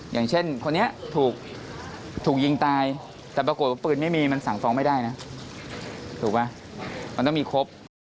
อย่างเช่นคนนี้ถูกยิงตายแต่ปรากฏว่าปืนไม่มีมันสั่งฟ้องไม่ได้นะถูกป่ะมันต้องมีครบ